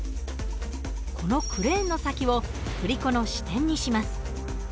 このクレーンの先を振り子の支点にします。